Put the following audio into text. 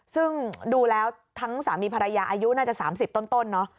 ซึ่งดูแล้วทั้งสามีภรรยาอายุน่าจะ๓๐ต้นเนอะ